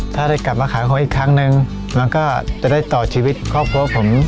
ถ้าได้กลับมาขายของอีกครั้งนึงมันก็จะได้ต่อชีวิตครอบครัวผม